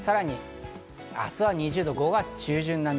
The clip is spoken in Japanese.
さらに明日は２０度、５月中旬並み。